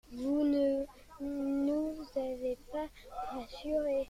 Vous ne nous avez pas rassurés.